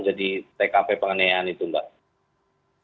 jadi ini adalah kronologi penganiayaan terhadap siswa smp di cilacap